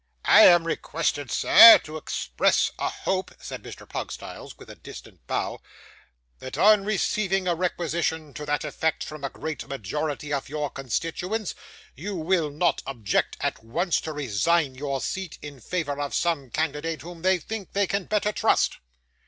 'I am requested, sir, to express a hope,' said Mr. Pugstyles, with a distant bow, 'that on receiving a requisition to that effect from a great majority of your constituents, you will not object at once to resign your seat in favour of some candidate whom they think they can better trust.